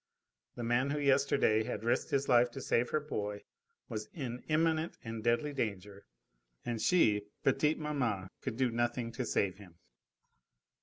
The man who yesterday had risked his life to save her boy was in imminent and deadly danger, and she petite maman could do nothing to save him.